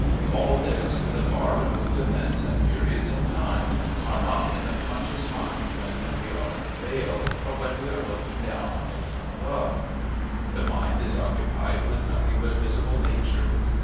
All this the far removed events and periods in time are not in the conscious mind when we are in the vale or when we are looking down on it from above: the mind is occupied with nothing but visible nature.